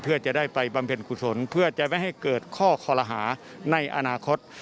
เพื่อจะได้ไปบำเพ็ญกุศลเพื่อจะไม่ให้เกิดข้อคอลหาในอนาคต